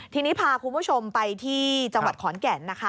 ทีนี้พาคุณผู้ชมไปที่จังหวัดขอนแก่นนะคะ